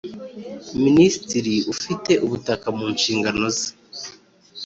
Minisitiri ufite ubutaka mu nshingano ze